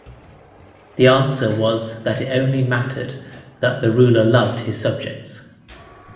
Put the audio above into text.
The answer was that it only mattered that the ruler loved his subjects.